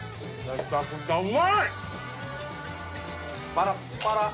パラッパラ。